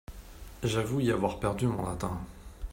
J’avoue y avoir perdu mon latin.